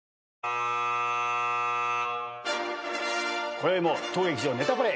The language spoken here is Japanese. こよいも当劇場『ネタパレ』